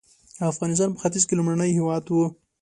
افغانستان په ختیځ کې لومړنی هېواد و.